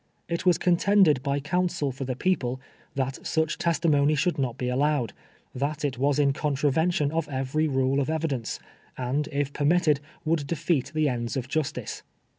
It was contended by counsel for the people, that such testimony should not be allowed — that it was in contravention of every rule of evidence, and if permitted would defeat the ends of justice.